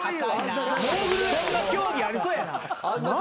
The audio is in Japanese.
そんな競技ありそうやな。